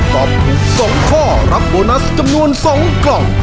ตอบถูก๒ข้อรับโบนัสจำนวน๒กล่อง